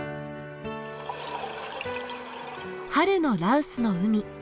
春の羅臼の海。